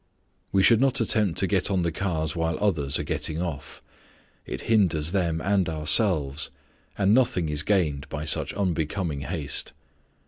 We should not attempt to get on the cars while others are getting off: it hinders them and ourselves, and nothing is gained by such unbecoming haste.